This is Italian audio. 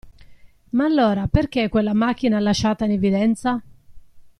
Ma allora perché quella macchina lasciata in evidenza?